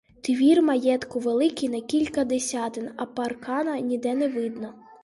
Двір маєтку великий — на кілька десятин, а паркана ніде не видно.